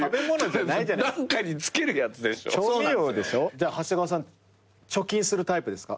じゃあ長谷川さん貯金するタイプですか？